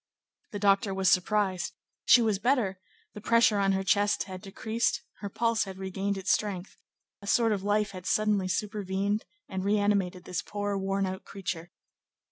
The doctor was surprised; she was better; the pressure on her chest had decreased; her pulse had regained its strength; a sort of life had suddenly supervened and reanimated this poor, worn out creature.